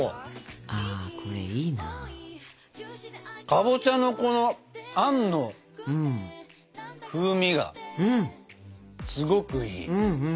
かぼちゃのこのあんの風味がすごくいい。